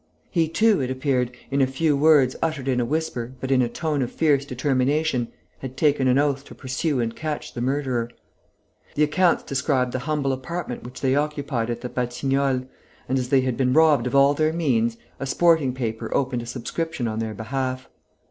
He, too, it appeared, in a few words uttered in a whisper, but in a tone of fierce determination, had taken an oath to pursue and catch the murderer. The accounts described the humble apartment which they occupied at the Batignolles; and, as they had been robbed of all their means, a sporting paper opened a subscription on their behalf.